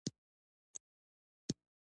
عقل او منطق موږ ته اجازه راکوي.